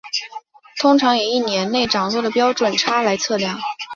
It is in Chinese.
通常以一年内涨落的标准差来测量。